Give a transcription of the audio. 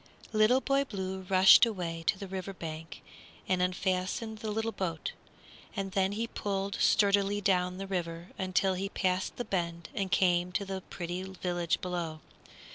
Little Boy Blue rushed away to the river bank and unfastened the little boat; and then he pulled sturdily down the river until he passed the bend and came to the pretty village below.